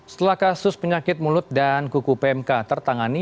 setelah kasus penyakit mulut dan kuku pmk tertangani